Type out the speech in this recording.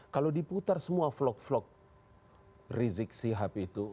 kalau diputar semua vlog vlog rizik sihab itu